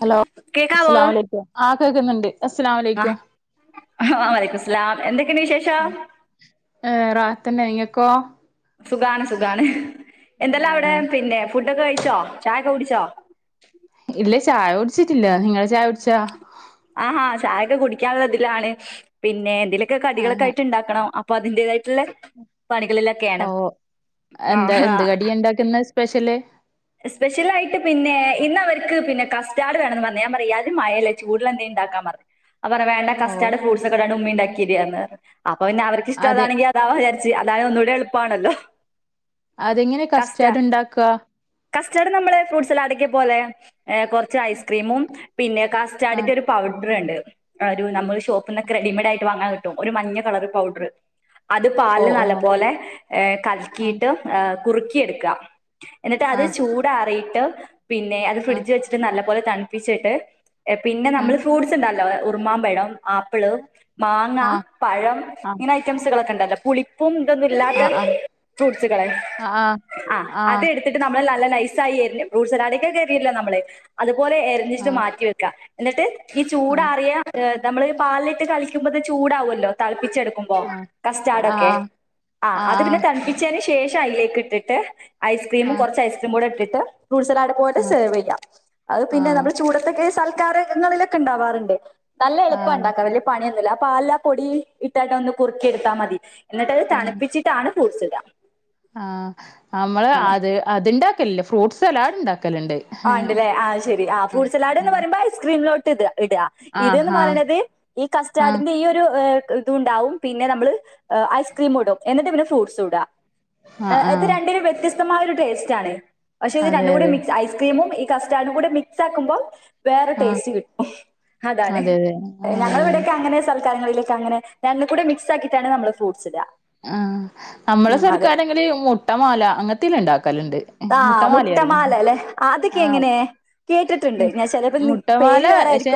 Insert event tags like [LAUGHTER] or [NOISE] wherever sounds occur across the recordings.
Hello കേക്കാവോ അസ്സലാംമു അലൈക്കും ആഹ് കേക്കുന്നുണ്ട് ആ വലൈക്കും മുസ്ലാലാം എന്തൊക്കെണ്ട് വിശേഷം ഏഹ് റാഹത്തെന്നെ ഇങ്ങക്കോ സുഖാണ് സുഖാണ് എന്തെല്ലാ അവടെ ആഹ് പിന്നെ ഫുഡൊക്കെ കഴിച്ചോ ചായെക്കെ കുടിച്ചോ ഇല്ലേ ചായ കുട്ച്ചിട്ടില്ല നിങ്ങള് ചായകുട്ച്ചോ ആഹ് ചായൊക്കെ കുടിക്കാള്ള ഇതിലാണ് പിന്നെ എന്തേലൊക്കെ ആഹ് കടികളൊക്കായിട്ട് ണ്ടാക്കണം അപ്പൊ അതിന്റേതായിട്ടുള്ള പണികളിലാ ഓഹ് എന്താ എന്ത് കടിയാണ്ടാക്കുന്നേ സ്പെഷ്യല് സ്പെഷ്യലായിട്ട് പിന്നെ ഇന്നവര്ക്ക് പിന്നെ കസ്റ്റാർഡ് വേണം എന്ന് പറഞ്ഞേ ഞാൻ പറയേ അത് മയല്ലേ ചൂടുള്ള എന്തേം ഇണ്ടാക്കാം പറ്ഞ്ഞ് അപ്പൊർ പർഞ്ഞ് വേണ്ട ഓ കസ്റ്റാഡ് ഫ്രൂട്ടസൊക്കൊറ്റാണ്ട് ഉമ്മിണ്ടാക്കേരി പർഞ്ഞ് അപ്പ പിന്നെ അവർക്ക് അതെ ഇഷ്ടാതാണെങ്കി അതാവാ വിചാരിച്ച് അതായാ ഒന്നൂടെ എളുപ്പാണല്ലോ അതെങ്ങനെ കസ്റ്റാ കസ്റ്റാഡ് ഇണ്ടാക്കാ കസ്റ്റാർഡ് നമ്മളെ ഫ്രൂട്ട്സലാഡൊക്കെ പോലെ കൊറ്ച്ച് ഐസ്ക്രീമും പിന്നെ ആഹ് കാസ്റ്റാർഡിന്റെ ഒരു പൗഡർ ഇണ്ട് ഒരു നമ്മള് ഷോപ്പിൽ ന്നൊക്കെ റെഡിമെയഡ് ആയിട്ട് വാങ്ങാൻ കിട്ടും ഒരു മഞ്ഞ കളറ് പൗഡറ് അത് ഓ പാലില് ഓ നല്ല പോലെ ഏഹ് ആഹ് കലക്കീട്ട് ഏഹ് കുറുക്കി എടുക്കാ എന്നിട്ട് ട്ട് അത് ആഹ് ചൂടാറീട്ട് പിന്നെ അത് ഫ്രിഡ്ജ് വെച്ചിട്ട് നല്ല പോലെ തണ്പ്പിച്ചിട്ട് പിന്നെ ആഹ് നമ്മള് ഫ്രൂട്ട്സ് ഇണ്ടല്ലോ ഉറുമാംമ്പഴം ആപ്പിള് മാങ്ങ ആഹ് പഴം ഇങ്ങനെ ഐറ്റംസുകളൊക്കെണ്ടല്ലോ പുളി പും ഇതൊന്നും ഇല്ലാത്ത ആഹ് ഫ്രൂട്ട്സ്‌കളെ ആഹ് ആ ആഹ് അതെടു ത്തിട്ട് നമ്മള് നല്ല നൈസായി എര്ഞ്ഞ് ഫ്രൂട്ട്സ് ലാഡെക്കോക്കെ എരിയല്ലോ നമ്മള് അതുപോലെ എരിഞ്ഞിട്ട് ആഹ് മാറ്റിവെക്കാ എന്നിട്ട് ഈ ആഹ് ചൂടാറിയ ഇഹ് നമ്മള് പാലിലിട്ട് തളിക്കുമ്പോത്തെ ചൂടാവു അല്ലോ തളിപ്പിച്ചെടുക്കുമ്പോ ആഹ് കസ്റ്റാർഡ് ഒക്കെ ആഹ് ആഹ് അത് പിന്നെ തണുപ്പി ച്ചേന് ശേഷം അയ്ലേക്കിട്ടിട്ട് ഐസ്ക്രീമും ആഹ് ആഹ് കൊറച്ച് ഐസ്ക്രീമും കൂടെ ഇട്ടിട്ട് ഫ്രൂട്ട്സ് സലാഡ് പോയ്ട്ട് ആഹ് സെർവ് ചെയ്യാം അത് പിന്നെ നമ്മള് ചൂടത്തൊക്കെ സൽക്കാരങ്ങളിലൊക്കെ ഇണ്ടാവാറുണ്ട് നല്ല ആഹ് ആഹ് എളുപ്പം ആഹ് ഇണ്ടാക്കാം വല്യ പണിയൊന്നു ഇല്ല ആ പാലിലാ പൊടി ഇട്ടായിട്ട് ഒന്ന് കുറുക്കി എടുത്താ മതി എന്നിട്ട് അത് ആഹ് തണുപ്പിച്ചിട്ടാണ് ഫ്രൂട്ട്സ് ഇടാ ആഹ് നമ്മള് അത് അത്ണ്ടാക്കലില്ല ഫ്രൂട്ട്സ് സലാഡ് ഇണ്ടാക്കലുണ്ട് ആഹ് ഇണ്ടല്ലേ ആഹ് അത് ശരി ആഹ് ഫ്രൂട്ട് സലാഡ്ന്ന് പറയ്മ്പോ ഐസ്ക്രീമിലോട്ട് ഇടാ ഇടാ ആഹ് ഇതെന്ന് ആഹ് പറയണത് ഈ ആഹ് കസ്റ്റാഡിന്റെ ഈ ഒരു ഇഹ് ഇത് ഉണ്ടാവും പിന്നെ നമ്മള് ഐസ്ക്രീമും ഇടും എന്നിട്ട് പിന്നെ ഫ്രൂട്ട്സു ഇട് ആ എ ആഹ് ആഹ് ഇത് ആഹ് രണ്ടിനും വ്യത്യസ്തമായ ഒരു ടേസ്റ്റ് ആണ്. പക്ഷെ ഇത് അതെ രണ്ടും കൂടി അതെ മിക്സ് ഐസ് ക്രീമും ഈ കസ്റ്റാർഡും കൂടെ മിക്സാക്കുമ്പം വേറെ ആഹ് ടേസ്റ്റ് കിട്ടും അതാണ് അതെ അതെ ഞങ്ങള ആഹ് ഇവിടേക്കെ അങ്ങനെ സ്ഥല് കാര്യങ്ങളിലൊക്കെ അങ്ങനെ രണ്ടും കൂടെ മിക്സ് ആക്കീട്ടാണ് നമ്മള് ഫ്രൂഡ്സ് ഇടാ ആഹ് നമ്മള സൽക്കാരങ്കില് മുട്ട മാല അങ്ങനത്തെല്ലാ ഉണ്ടാക്കലുണ്ട് ആഹ് മുട്ടമാല അല്ലെ ആഹ് അതൊക്കെ എങ്ങനെ കേട്ടിട്ടുണ്ട് മുട്ട ഞാൻ ചെലപ്പോ നിങ് മുട്ടമാല പക്ഷെ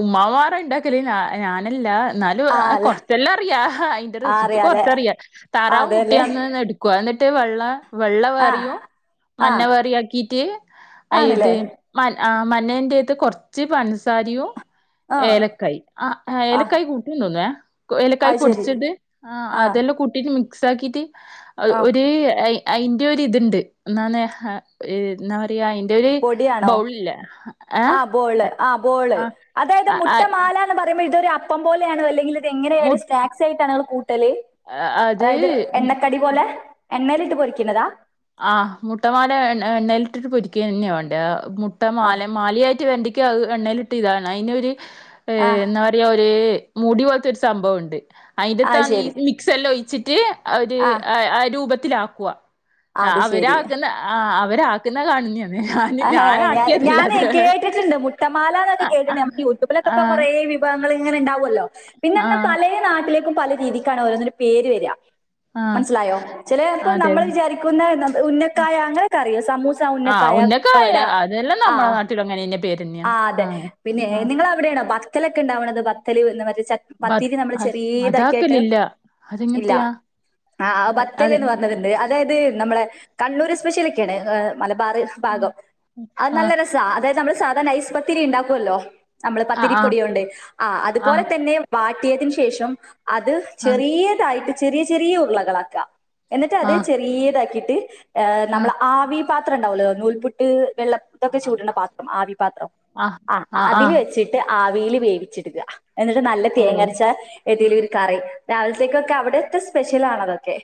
ഉമ്മാമാര ഉണ്ടാക്കല് ഞാ ഞാനല്ല എന്നാലും ആ അ അല്ല കൊറച്ചെല്ലാം അറിയാ അഹ അയ്ന് ന്റെ ആ റെസിപ്പി അറിയാലേ കൊറച്ചറിയാം ആ, താറാവ് അതെല്ലേ മുട്ടയാണന്ന് എടുക്കുവ എന്നിട്ട് വെള്ള വെള്ള ആ വേറയു ആ മഞ്ഞ വേറയു ആക്കീറ്റ് അയ് ആണല്ലേ ഇത് മൻ ആഹ് മഞ്ഞേൻ്റെ അകത്ത് കൊറച്ച് പഞ്ചസാര് യും ആ ഏലക്കായ് ആഹ് ആ ഏലക്കായ് കൂട്ടുനോ തോന്നുന്നേ ഏലക്കായ് അത് ശരി പൊടിച്ചത് ആഹ് ആ അതെല്ലാം കൂട്ടിട്ട് മിക്സ് ആക്കീട്ട് അഹ് ആ ഒര് ഏയി അയിന്റെ ഒരു ഇതുണ്ട് ഒന്നാനെ ഹ [UNINTELLIGIBLE] ട്ടി അയിന്റെ ഒരു പൊടിയാണോ ബൗൾ ഇല്ലേ ആ ഏഹ് ബോള് എ ആ ബോള് ആഹ് അതായത് അ ആഹ് മുട്ടമാല എന്ന് പറയ്മ്പം ഇതൊര് അപ്പം പോലെയാണ് അല്ലെങ്കില് ഇത് എങ്ങനെയാണ് മുട്ട സ്‌നാക്‌സായിട്ടാണാ നിങ്ങള് കൂട്ടല്. അത് അതായത് എണ്ണക്കടി തുപോലെ എണ്ണയിലിട്ട് പൊരിക്കുന്നതാ ആഹ് മുട്ടമാല എണ്ണ എണ്ണേ ലിട്ടിട്ട് പൊരിക്ക തന്നെ വേണ്ടിയെ ആ ആ മുട്ടമാല മാലയായിട്ട് വേണ്ടി ക്കു അത് എണ്ണേലിട്ട് യ്തതാണ് അയ്നൊര് ആ ഏഹ് എണ്ണ വ ടിയ ഒര് മൂടി പോലത്തെ ഒരു സംഭവം ഒണ്ട് അത് അതിന്റെത്താണി ശരി മിക്സല്ലാം ഒഴിച്ചിട്ട് ആ ഒര് അയ് ആ രൂപത്തിലാക്കുക. ആ അവരാകുന്ന അഹ് അവരാക് അഹ് ഹേ ഞാ ഞാനേ അത് കേട്ടിട്ടുണ്ട് മുട്ടമാലന്നൊക്കെ ആഹ് കേട്ടിട്ടെ ആഹ് നമ്മുക്ക് യൂട്യൂബ് ബിലൊക്കെ ഇപ്പം ആഹ് കൊറേ വ്യൂ വിഭവങ്ങള് ഇങ്ങനെ ഇണ്ടാവുമല്ലോ പിന്നെന്നെ ആഹ് പലേ നാട്ടിലേക്കും പല രീതിക്കാണ് ഓരോന്നിനു പേര് വരാ ആഹ് മനസ്സിലായോ ചെലേപ്പോ അതെ നമ്മള് അതെ വിചാരിക്കുന്ന ന്താ ഉന്നക്കായാ അങ്ങനെയൊക്കെ അറിയോ സമൂസ ഉന്ന ക്കായ പ്പുവട ആഹ് ഇവിടങ്ങൊനെ തന്നെ പേര്ന്നെ ആഹ് അതെ പിന്നെ നിങ്ങള അവിടെയാണോ പത്തലൊക്കെ ഉണ്ടാവണത് പത്തല് മറ്റേ ചക്ക് ബത് പത്തിരി നമ്മള് അ ചെറിയ ഇതാക്കിയായിട്ട് അതാക്കലില്ല. ഇല്ല അതെങ്ങത്തെയാ? ആഹ് ആഹ് അ ബത്തല് അതെ എന്ന് പറഞ്ഞത് ഇണ്ട് അത് അതായത് നമ്മളെ കണ്ണൂർ സ്പെഷ്യലക്കെ ആണെ അഹ് മലബാറ് ഭാഗം അത് നല്ല ആഹ് രസ് സാ അതായത് നമ്മള് സാധാ നൈസ് പത്തിരി ഇണ്ടാക്കു അല്ലോ നമ്മള് പത്തിരിപ്പൊടിയോണ്ട് ആഹ് അതുപോലെ തന്നെ വാട്ടിയതിന് ശേഷം അത് ആഹ് ചെറിയതായിട്ട് ചെറിയ ചെറിയ ഉരുളകളാക്കാ എന്നിട്ട് അത് ആഹ് ചെറിയതാക്കിയിട്ട് ആഹ് നമ്മള ആഹ് ആവി പാത്രം ഉണ്ടാവല്ലോ നൂൽപുട്ട് വെള്ള ഇതൊക്കെ ആഹ് ചൂട്ണ പാത്രം ആവിപാത്രം ആഹ് അതില് വെച്ചിട്ട് ആവീല് വേവിച്ചെട്കാ എന്നിട്ട് നല്ല തേങ്ങ ഓഹ് അരച്ച ഏതേലും ഒരു കറി രാവിലത്തേക്കൊക്കെ അവിടത്തെ സ്പെഷ്യലാണതൊക്കെ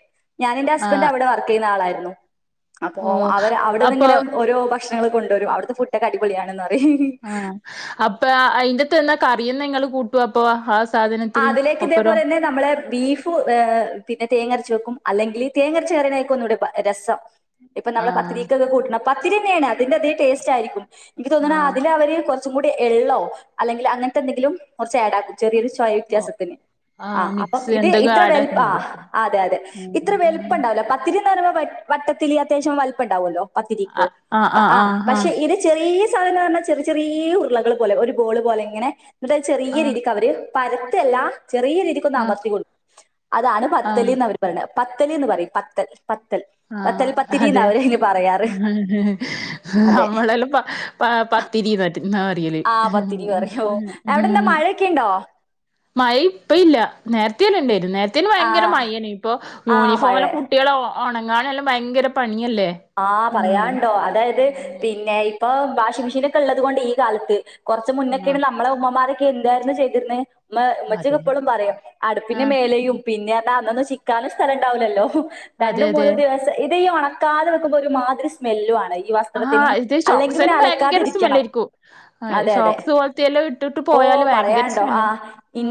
ഞാനും എന്റെ ഹസ്ബൻ്റു ആഹ് അവിടെ വർക്ക് ചെയ്യുന്ന ആളായിരുന്നു. അപ്പോ ഓഹ് അവര് അവിടന്ന് അപ്പൊ ഇങ്ങനെ ഓരോ ഭക് ഭക്ഷണങ്ങള് കൊണ്ടുവരും അവിടുത്തെ ഫുഡൊക്കെ അടിപൊളിയാണെന്ന് പറയും ആഹ് അപ്പൊ അയിന്റെത്ത്ന്നാ കറിയന്ന നിങ്ങള് കൂട്ടു അപ്പൊ ഹസ് സാധനത്തിന് ഒപ്പരം നമ്മള ബീഫ് പിന്നെ തേങ്ങരച്ച വെക്കും അല്ലെങ്കിൽ തേങ്ങരച്ച കയറയിക്കും ഒന്നുടെ രസം [UNINTELLIGIBLE] ഇപ്പൊ നമ്മള് ആഹ് പത്തിരിക്ക്ക്കെ കൂട്ടണം പത്തിരി തന്നെയാണ് അതിന്റെ അതേം ടേസ്റ്റ് ആയിരിക്കും എനിക്ക് തോന്നുന്നത് ആഹ് അതില് അവര് കുറച്ചും കൂടി എള്ളോ അല്ലെങ്കിൽ അങ്ങനത്തെ എന്തെങ്കിലും കുറച്ച് ടും ആഡ് ആക്കും ചെറിയൊരു ചോയ ഓഹ് വ്യത്യാസത്ത്ന് ആഹ് അപ്പ മിക്സ് ഇത് എന്തെങ്കു ഇത്ര വെൽപ്പ ആഡാക്കുന്നുണ്ട്. ആഹ് ആഹ് അതെ അതെ ഇത്ര വെൽപ്പണ്ടാവുലാ ത്തിരിന്ന് പറയുമ്പോ വെ വട്ടത്തില് അത്യാവ്ശ്യം വൽപ്പം ഇണ്ടാവൊല്ലോ പത്തിരിക്ക് ആഹ് പക്ഷെ ഇത് ചെറിയ്യെ സാനംന്ന് പർഞ്ഞാ ചെറി ചെറീ ഉർളകള് പോലെ ഒരു ബോള് പോലെ ഇങ്ങനെ ന്ന്ട്ടഹ് ചെറിയ ആഹ് രീതിക്ക് അവര് പരത്തല്ല ചെറിയ ആഹ് രീതിക്കൊന്നമർത്തി കൊടു അതാണ് ആഹ് ആഹ് പത്തല്ന്നവര് ടെ പത്തല്ന്ന് പറിം പത്തൽ പത്തൽ പത്തൽ ആഹ് പത്തിരി എന്ന് അതെ അവരതിന് പറയാറ് അതെ നമ്മളെല്ലം പ പാ പത്തിരിന്നാട്ട് ന്നാ പറയല് ആ ആഹ് ക്യിണ്ടോ മഴ ഇപ്പ ഇല്ല നേര്ത്തിയെരെ ഇണ്ടേയ്ര്ന്ന് നേര് ത്തിന് ആ ഭയങ്കര മഴേനി ഇപ്പൊ ആ മഴ യൂണിഫോമെല്ലം കുട്ട്യാളെ ഒ ഒണങ്ങാനെല്ലാം ഭയങ്കര പണിയല്ലേ ആഹ് ഉം പറയാൻണ്ടോ അതായത് ഉം പിന്നെ ഇപ്പൊ വാഷിംഗ് മിഷീനൊക്കെ ഇള്ളത് കൊണ്ട് ഈ കാലത്ത് കൊർച്ച് മുന്നൊക്കെണ് ആഹ് നമ്മളെ ഉമ്മമാരൊക്കെ എന്താര്ന്നു ചെയ്തിര്ന്ന് മ്മ് മ്മച്ചിക്കെ അതെ ഇപ്പളും പറയും അടുപ്പിന്റെ ആഹ് മേലെയും പിന്നെ അർഞ്ഞാ അന്നൊന്നും ചിക്കാനും സ്ഥലണ്ടാവുല്ലല്ലോ അതെ പണ്ടൊന്നും അതെ ഒര് ദിവസം ഇത് ഈ ഒണക്കാതെ നി ക്കുമ്പൊരുമാതിരി സ് സ്മെല്ലുആണ് ഈ വസ്ത്രത്തിന് ആഹ് ഇത് അല്ലെങ്കിപിന്നെ ഷോക്സെല്ലാം ഭയങ്കര അലക്കാതിരിക്കണം സ്മെല്ലായിരിക്കും ആഹ് അതെ അതെ ഷോക്സ് പോലത്തെയെല്ലാം ഇട്ടിട്ട് ഓ പോയാല് ഭയങ്കര പറയാൻണ്ടോ സ്മെല്ല് ആഹ്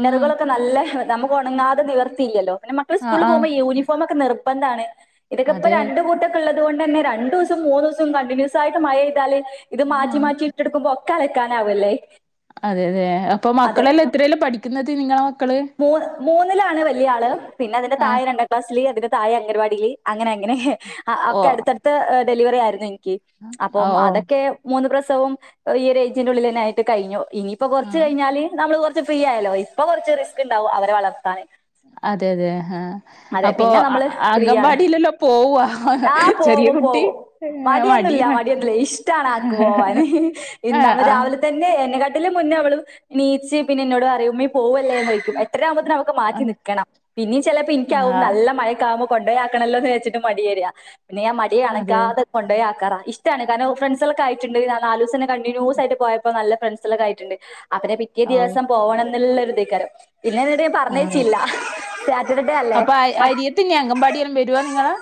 ആഹ് നല്ല നമുക്ക് ഒണങ്ങാതെ നിവർത്തി ഇല്ലല്ലോ പിന്നെ മ ക്കള് ആഹ് സ്കൂൾള് ആഹ് പോവുമ്പോ യൂണഫോം ഒക്കെ നിർബന്ധണ് ഇതൊക്കെ ഇപ്പൊ അതെ രണ്ട് കൂട്ടെക്കെള്ളത് തുകൊണ്ടെന്നെ രണ്ടുസം മൂന്നു സം കണ്ടിന്യൂസ് ആയിട്ട് മഴെയ്താല് ഇത് മാറ്റി ആഹ് മാറ്റി ഇട്ടൊട്ക്കുമ്പൊ ക്കെ അലക്കാനാവ്അല്ലേ അതെ അതെയാ അപ്പൊ മക്കളെല്ലാം എത്രേല്ലാ പഠിക്കുന്നത് നിങ്ങളെ മക്കള് മൂ മൂന്നിലാണ് വലിയ ആള് പിന്നെ അതിന്റെ ആഹ് തായെ രണ്ടാം ക്ലാസ്സില് അതിന്റെ തായെ അംഗൻവാടില് അങ്ങനെ അങ്ങനെ അഹ് ഓ ഒക്കെ അടുത്തടുത്ത് ഡെലിവറി ആയിരുന്നു ഇൻക്ക് ഓ അപ്പം അതൊക്കെ മൂന്ന് പ്രസവം ഈ ഒര് ഏജിന്റെ ഉള്ളിലെന്നായിട്ട് കഴിഞ്ഞു ഇനിയിപ്പ കൊറച്ച് ആഹ് കഴിഞ്ഞാല് നമ്മള് കൊ ർച്ച് ഫ്രീ ആയല്ലോ ഇപ്പൊ കൊർച്ച് റിസ്ക്ക് ഇണ്ടാവും അവരെ വളർത്താന് അതെ അതെ ഹ് അപ്പൊ അ അംഗംവാടിയിലെല്ലം ആഹ് പോവും പോവും ഏ, മടി മടിയൊന്നുല്ല മടിയൊന്നുംല്ല ഇഷ്ടാണ് ആക്ക് പോവാന് ആഹ് ഇന്നവ് ആഹ് രാവിലെ തന്നെ എന്നെക്കാട്ടിലും മുന്നെ അവള് നീച്ച് പിന്നെ ഇന്നോട് പറയുംഉമ്മി പോവല്ലേന്നെയ് ക്ക് എട്ടര ആവുമ്പോത്തിന് അവക്ക് മാറ്റി ആഹ് നിക്കണം പിന്നിം ചെലപ്പോ ഇൻക്ക്യാവും ആഹ് നല്ല മഴെക്കാവുമ്പൊ കൊണ്ടോയാക്കാണല്ലോന്ന് വിചാരിച്ചിട്ട് മടി വെരാ പിന്നെ ഞാ മടി അതെ കണക്കാതെ കൊണ്ടോയാക്കാറാ ഇഷ്റ്റാണ് കാരണോം ഫ്രണ്ട്സെല്ലക്കായിറ്റ്ണ്ട് ന നാലുസംന്നെ കണ്ടിന്യൂസ് ആയിട്ട് പോയപ്പോ നല്ല ഫ്രണ്ട് സെല്ലക്കായിട്ട്ണ്ട് അപ്പന്നെ പിറ്റേ ഓ ദിവസം പോവണംന്ന്ള്ളെ ഒരു ഇതെയ്ക്കാരം പിന്നെ [UNINTELLIGIBLE] ആഹ് പർഞ്ഞയ്ച്ചില്ല അപ്പൊ അയ് അരിയത്തില്ലേ അംഗമ്പാടിയെല്ലം വെരോ ന്നിങ്ങള്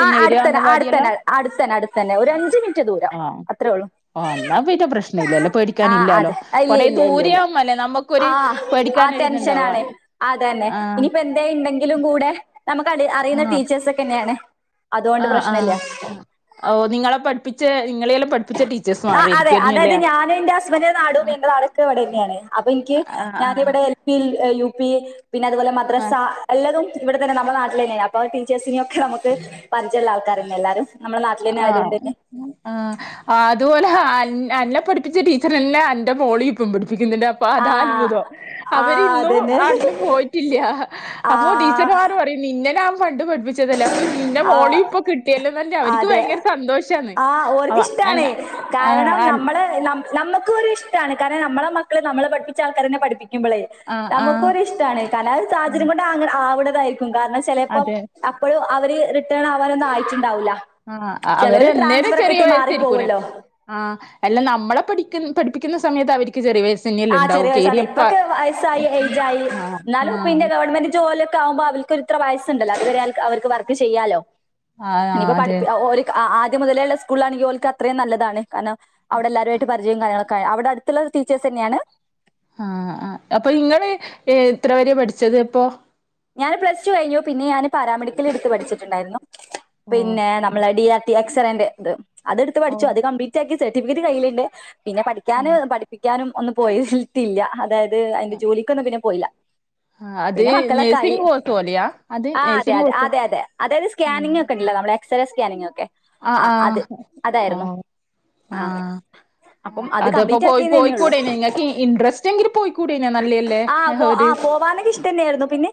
ആഹ് അട്ത്തെന്നെ അട്ത്തെന്നെ അട്ത്തന്നെ അട്ത്തന്നെ ഒരു അഞ്ച് മിൻറ്റ് ദൂരം ആഹ് അത്രേ ഒള്ളൂ ആഹ് ന്നാ പിന്നെ പ്രശ്ന ഇല്ലല്ലേ പേടിക്കാന് ഇല്ലാലോ അതെ കൊറേ ദൂരെയാവ് അല്ല നമ്മക്കൊര് ആഹ് ടെൻഷനാണ് അതന്നെ ആഹ് ഇനിയിപ്പ എ ന്തേ ഇണ്ടെങ്കിലും കൂടെ നമ്ക്ക് അളി അറിയുന്ന ആഹ് ടീച്ചേഴസ് ഒക്കെന്നെയാണ് ആഹ് ആഹ് ഓ നിങ്ങളെ പഠിപ്പിച്ചെ നിങ്ങളെല്ലാം പഠിപ്പിച്ച ടീ ആഹ് അതെ അതായത് ഞാന് ഇന്റെ ഹസ്ബൻഡിന്റെ നാടും ആഹ് ഇന്റെ നാടും ഒക്കെ എവടെന്ന്യാണ് അപ്പൊ ഇൻക്ക് ഞാന് ആഹ് വടെ എൽ പിൽ എഹ് യു പി പിന്നെ അതുപോലെ മദ്രസ ആഹ് എല്ലതും ഇവിടെതന്നെ നമ്മ്ളെ നാട്ടിലെന്നേണ് അപ്പ ടീച്ചേഴസിനെയൊക്കെ നമ്മക്ക് പരിജയള്ള ആൾക്കാരെന്നെ എല്ലാരും നമ്മുടെ നാട്ടിൽ തന്നെ ആഹ് ആയതുകൊണ്ട് തന്നെ ആഹ് ആഹ് അതുപോലെ ഹാ എ എന്നെ പഠിപ്പിച്ച ടീച്ചറ് എല്ലെ എന്റെ മോളി ഇപ്പം പഠിപ്പിക്കുന്ന്ണ്ട് അ പ്പ ആ അതാ അത്ഭുതം ആ അവരിന്നും അതന്നെ അവിടുന്ന് പോയിട്ടില്ല ആ അപ്പൊ ടീച്ചറ്മാര് പറയും നിന്നെ ഞാൻ പണ്ട് പഠിപ്പിച്ചതല്ലേ അപ്പൊ നിന്റെ ആ മോളി ഇപ്പൊ കിട്ടിയല്ലോ എന്ന് പറഞ്ഞ് അവരി അതെ ആഹ് ഓർക്കിഷ്ടാണ് അല്ല ആഹ് കാരണം ആഹ് നമ്മള് ന നമുക്കും ഒരിഷ്ടമാണ് കാരണം നമ്മളെ മക്കളെ നമ്മള് പഠിപ്പിച്ച ആൾക്കാര് തന്നെ പഠിപ്പിക്കുമ്പോളേ നമുക്കും ആഹ് ഒര് ഇഷ്ടമാണ് കാരണം ഒരു ആഹ് സാഹചര്യം കൊണ്ട് ആവണതായിരിക്കും കാരണം ചിലപ്പോ അതെ അപ്പോള് അവര് റിട്ടേൺ ആവാനൊന്നും ആയിട്ടുണ്ടാവില്ല ആഹ് അവര് അന്നേരം ചെറിയ വയസ്സ് ഇരിക്കൂനെ മാറിപ്പോവല്ലോ. ആഹ് അല്ല നമ്മളെ പഠിക്ക പഠിപ്പിക്കുന്ന സമയത്ത് അവർക്ക് ചെറിയ വയസ്സ് ആഹ് ചെറിയ വയസ്സാണ് ഇപ്പൊക്കെ വയസ്സായി എയിജായി ആഹ് എന്നാലും പിന്നെ ആഹ് ഗവൺമെന്റ് ജോലിയൊക്കെ ആവുമ്പം അവല് ക്ക് ഇത്ര വയസുണ്ടല്ലോ അത് വരെ അവർക്ക് വർക്ക് ചെയ്യാലോ ആഹ് ഇനിപ്പോ അതെ പഠിപ്പ് ഓര്ക്ക് ആഹ് ആദ്യം മുതലേയുള്ള സ്കൂളിലാണെങ്കിൽ ഓൽക്ക് അത്രയും നല്ലതാണ് കാരണം അവിടെ എല്ലാരുമായിട്ട് പരിചയം കാര്യങ്ങളൊക്കായി അവിടെ അടുത്തുള്ള ടീച്ചേഴ്സ് തന്നെയാണ് ആഹ് ആഹ് അപ്പൊ നിങ്ങള് എത്ര വരെയാ പഠിച്ചത് ഇപ്പോ ഞാന് പ്ലസ്ടു കഴിഞ്ഞു പിന്നെ ഞാന് പാരാമെഡിക്കൽ എടുത്ത് പഠിച്ചിട്ടുണ്ടായിരുന്നു ഓഹ് പിന്നെ നമ്മളെ ഡി ആർടി എക്സറേന്റെ ഇത് അത് എടുത്ത് പഠിച്ചു ഓഹ് അത് കംപ്ലീ റ്റാക്കി സർട്ടിഫിക്കറ്റ് കയ്യിലുണ്ട് പിന്നെ പഠിക്കാനും പഠിപ്പിക്കാനും ഒന്നും പോയിട്ടില്ല അതായ ത് അതിന്റെ ജോലിക്കൊന്നും പിന്നെ പോയില്ല ആഹ് അത് മക്കളൊക്കെയായി നഴ്സിംഗ് കോഴ്സ് പോലെയാ അത് ആഹ് അതെ നഴ്സിംഗ് അതെ കോഴ്സ് അതെ അതെ അതായത് സ്കാനിംഗ് ഒക്കെ ഉണ്ടല്ലോ നമ്മളെ എക്സറേ സ്കാനിങ്ങും ഒക്കെ ആഹ് ആ അത് ആഹ് ഓ അതായിരുന്നു ആഹ് അപ്പം അത് അതപ്പോ കംപ്ലീറ്റ് പോയി ആക്കിയെന്നന്നെ ഉള്ളൂ പോയിക്കൂടേനെ നിങ്ങക്ക് ഇൻടറസ്റ്റ് എങ്കിൽ പോയിക്കൂടനെ നല്ലല്ലേ ഒരു പോകാനൊക്കെ ഇഷ്ടം തന്നെയായിരുന്നു പിന്നെ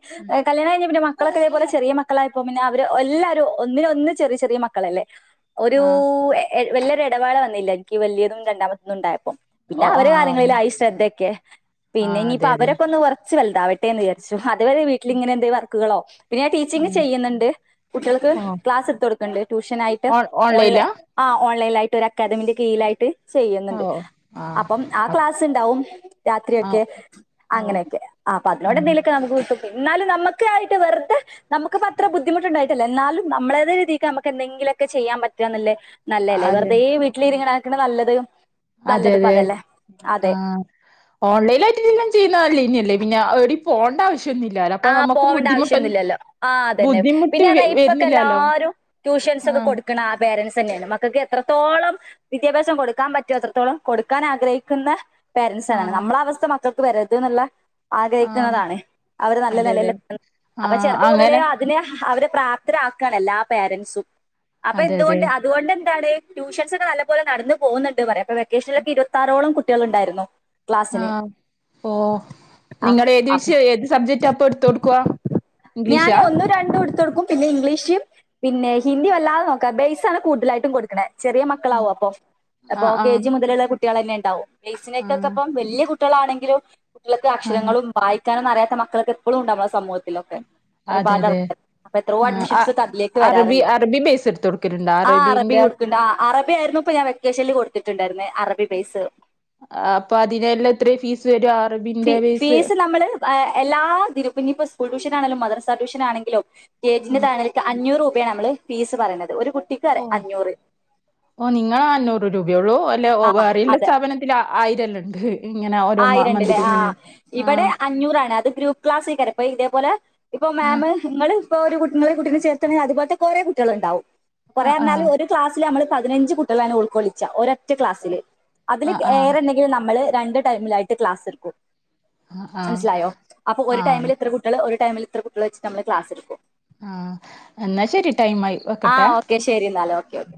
കല്യാണം കഴിഞ്ഞ് പിന്നെ മക്കളൊക്കെ ഇതേപലെ ചെറിയ മക്കളായിപ്പോൾ പിന്നെ അവര് എല്ലാരും ഒന്നിന് ഒന്ന് ചെറിയ ചെറിയ മക്കളല്ലേ ഒരു ആഹ് വലിയൊരു ഇടവേള വന്നില്ല എനിക്ക് വലിയതും രണ്ടാമത്തൊന്നും ഉണ്ടായപ്പോം പിന്നെ ഓഹ് അവരെ ആഹ് കാര്യങ്ങളിലായി ശ്രദ്ധൊക്കെ പിന്നെ ആഹ് ഇനിയിപ്പോ അതെ അതെ അവരൊക്കെ ഒന്ന് കുറച്ചു വലുതാവട്ടെ എന്ന് വിചാരിച്ചു അതുവരെ വീട്ടിലിങ്ങനെ എന്തേലും വർക്കുകളോ പിന്നെ ഞാൻ ടീച്ചിങ് ആഹ് ചെയ്യുന്നുണ്ട് കുട്ടികൾക്ക് ഓഹ് ക്ലാസ്സ് എടുത്ത് കൊടുക്കണ്ട് ട്യൂഷൻ ആയിട്ട് ഓൺലൈനിലാ ഓൺലൈൻ ആഹ് ഓൺലൈനിൽ ആയിട്ട് ഒരു അക്കാദമിന്റെ കീഴിലായിട്ട് ഓ ചെയ്യുന്നുണ്ട് അപ്പം ആഹ് ക്ലാസ്സ് ഉണ്ടാവും രാത്രി ആ ഒക്കെ ഓ അങ്ങനെയൊക്കെ അപ്പൊ ആ അതിനോട് എന്തേലും നമുക്ക് കിട്ടത്തി എന്നാലും നമുക്ക് ആയിട്ട് വെറുതെ നമുക്കൊന്നും അത്ര ബുദ്ധിമുട്ടുണ്ടായിട്ടല്ല എന്നാലും നമ്മളേതായ രീതിക്ക് നമുക്ക് എന്തെങ്കിലൊക്കെ ചെയ്യാൻ പറ്റുകാന്നല്ലേ നല്ലല്ലേ അതെ വെറുതേ വീട്ടില് ഇരിങ്ങണേക്കാ നല്ലത് അതെ നല്ലതിപ്പോ അതെ അതല്ലേ അതെ ആഹ് ഓൺലൈനായിട്ടെല്ലാം ചെയ്യുന്നത് അല്ലെ പിന്നെ എവിടേം പോവണ്ട ആവശ്യം ആഹ് പോവേണ്ട ആവശ്യം ഒന്നുവില്ലല്ലോ ആഹ് അതന്നെ ബുദ്ധിമുട്ട് പിന്നെന്ന് വ പറഞ്ഞാ വരുന്നില്ലാലോ ഇപ്പൊക്കെല്ലാരും ട്യൂഷൻസ് ഒക്കെ കൊടുക്കണെ ആഹ് പേരൻസ് തന്നെയാണ് മക്കൾക്ക് എത്രത്തോളം വിദ്യാഭ്യാസം കൊടുക്കാൻ പറ്റുന്ന അത്രത്തോളം കൊടുക്കാൻ ആഗ്രഹിക്കുന്ന പേരൻസ് ആണ് ആഹ് നമ്മളെ അവസ്ഥ മക്കൾക്ക് വരരുത് എന്നുള്ള ആഹ് ആഗ്രഹിക്കുന്നതാണ് അവര് നല്ല അതെ അതെ നിലയില് അപ്പൊ ആഹ് ചെറുപ്പം മുതലേ അങ്ങനെ അതിന് അവര് പ്രാ പ്തരാക്കാണ് എല്ലാ പേരന്റ്സും അപ്പൊ അതെ അതെ എന്തുകൊണ്ട് അതുകൊണ്ട് എന്താണ് ട്യൂഷൻസ് ഒക്കെ നല്ലപോലെ നടന്ന് പോകുന്നുണ്ട് പറയാ അപ്പൊ വെക്കേഷനിലൊക്കെ ഇരുപത്താറോളം കുട്ടികളുണ്ടാരുന്നു ആഹ് ഓ ആ നിങ്ങള് ഏത് അപ്പൊ വിഷയവാ ഏത് സബ്ജെക്ടാ അപ്പൊ എടുത്തു കൊടുക്കുകാ ഞാന് ഒന്നും രണ്ടും എടുത്ത് കൊടുക്കും പിന്നെ ഇംഗ്ലീഷും പിന്നെ ഹിന്ദിയും അല്ലാതെ നോക്കാ ബെയിസ് ആണ് കൂടുതലായിട്ടും കൊടുക്കണേ ചെറിയ മക്കളാവും അപ്പം അപ്പൊ ആഹ് കെ ആഹ് ജി മുതലുള്ള കുട്ടികൾ തന്നെ ഉണ്ടാവും കേസിനേക്കൊക്കെ ആഹ് അപ്പം വലിയ കു ട്ടളാണെങ്കിലും കുട്ടികൾക്ക് ആഹ് അക്ഷരങ്ങളും വായിക്കാനും ഒന്നും അറിയാത്ത മക്കളൊക്കെ ഇപ്പോഴും ഉണ്ട് നമ്മുടെ സമൂഹത്തിലൊക്കെ അതെ ഒരുപാട് അതെ ആൾക്കാര് അപ്പൊ എത്രയോ ആഹ് അ അഡ്മിഷൻസ് ഒക്കെ അതിലേക്ക് അറബി വരാറുണ്ട് അറബി ബേസ് എടുത്ത് കൊടുക്കലുണ്ടോ ആഹ് അറബി അറബീന്റെ കൊടുക്കുന്നുണ്ട് അറബി ആയിരുന്നു ഇപ്പൊ ഞാൻ വെ ക്കേഷനിൽ കൊടുത്തിട്ടുണ്ടായിരുന്നെ അറബി ബെയിസ് അപ്പൊ അതിനെല്ലാം എത്രയാ ഫീസ് വരുക ഫീ അറബീന്റെ ഫീസ് നമ്മള് എല്ലാ ഇതിനിപ്പൊ ഇനീപ്പോ സ്കൂൾ ട്യൂഷൻ ആണേലും മദ്രസ ട്യൂഷൻ ആണങ്കിലും കേറ്റിന്റെ ആഹ് താണെ അഞ്ഞൂറ് രൂപയാണ് നമ്മള് ഫീസ് പറയുന്നത് ഒരു കുട്ടിക്ക് പറ ഓ അഞ്ഞൂറ് ഓ നിങ്ങൾ അഞ്ഞൂറ് രൂപയുള്ളൂ ഇല്ല ഒ വേറെയുള്ള അതെ സ്ഥാപനത്തിൽ ആയിരം എല്ലാം ഇണ്ട് ഇങ്ങനെ ഓരോ മ ആയിരം ഉണ്ടല്ലേ മന്ത്ലി ആ ഇങ്ങനെ. ഇവിടെ ആഹ് അഞ്ഞൂറാണ് അത് ഗ്രൂപ്പ് ക്ലാസൈകാരം ഇപ്പം ഇതേ പോലെ ഇപ്പം ആഹ് മാമ്. നിങ്ങള് ഇപ്പോ ഒരു കുട്ട് നിങ്ങളെ കുട്ടിയെ ചേർത്തണേൽ അത് പോലത്തെ കൊറേ കുട്ട്യോള് ഉണ്ടാകും ആഹ് കൊറേന്നാല് ആഹ് ഒരു. ഒരു ക്ലാസ്സില് അമ്മള് പതിനഞ്ച് കുട്ടിയോളാണ് ഉൾകൊള്ളിച്ച ഒരൊറ്റ ക്ലാസ്സില് അതില് ആഹ് ഏറെണ്ട. നമ്മള് രണ്ട് ടൈമിലായിട്ട് ക്ലാസ് എടുക്കും ആഹ് ആഹ് മനസിലായോ അപ്പൊ ഒരു ആഹ് ആഹ് ടൈമില് ഇത്ര കു നമ്മള് ഒരു ടൈമിലിത്ര കുട്ടികള് വെച്ചിട്ട് നമ്മൾ ക്ലാസ്സെടുക്കും. ആഹ് എന്നാ ശരി ടൈമായി വെക്കട്ടെ. ശെരിയെന്നാല് ഒക്കെ ഒക്കെ